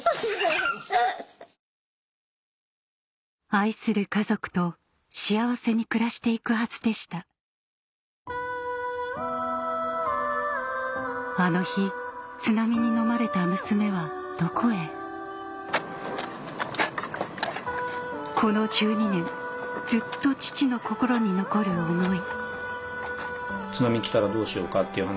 愛する家族と幸せに暮らしていくはずでしたあの日津波にのまれたこの１２年ずっと父の心に残る思い